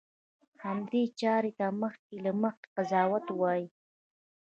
همدې چارې ته مخکې له مخکې قضاوت وایي.